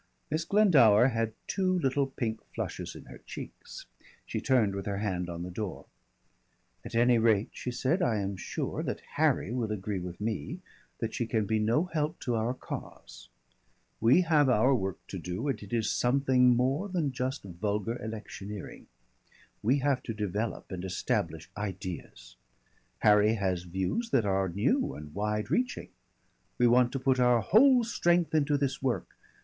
Miss Glendower had two little pink flushes in her cheeks. She turned with her hand on the door. "At any rate," she said, "I am sure that Harry will agree with me that she can be no help to our cause. We have our work to do and it is something more than just vulgar electioneering. We have to develop and establish ideas. Harry has views that are new and wide reaching. We want to put our whole strength into this work.